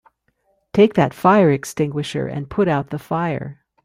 Take that fire extinguisher and put out the fire!